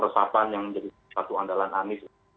resapan yang jadi satu andalan anis